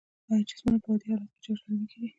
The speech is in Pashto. آیا جسمونه په عادي حالت کې چارج لرونکي دي؟